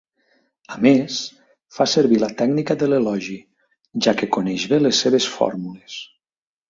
A més, fa servir la tècnica de l'elogi, ja que coneix bé les seves fórmules.